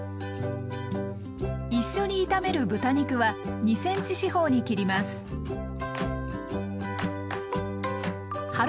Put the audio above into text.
一緒に炒める豚肉は２ｃｍ四方に切ります。